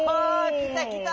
きたきた！